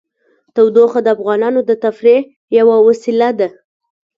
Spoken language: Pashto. تودوخه د افغانانو د تفریح یوه وسیله ده.